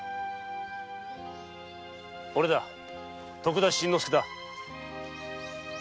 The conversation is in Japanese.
おれだ徳田新之助だ。